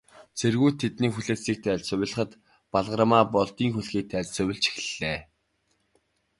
Цэргүүд тэдний хүлээсийг тайлж, сувилахад, Балгармаа Болдын хүлгийг тайлж сувилж эхэллээ.